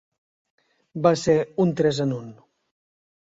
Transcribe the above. Va ser un tres en un.